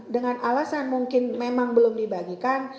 dengan alasan mungkin memang belum dibagikan